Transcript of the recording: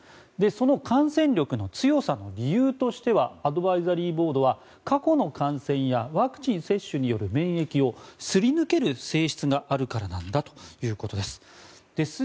その感染力の強さの理由としてはアドバイザリーボードは過去の感染やワクチン接種による免疫をすり抜ける性質があるからなんだということです。